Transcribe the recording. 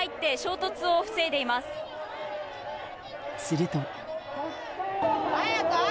すると。